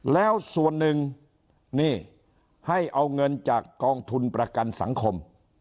แล้วส่วนหนึ่งนี่ให้เอาเงินจากกองทุนประกันสังคม